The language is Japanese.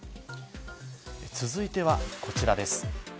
続いてはこちらです。